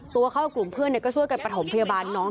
ตัวเขากับกลุ่มเพื่อนก็ช่วยกันประถมพยาบาลน้อง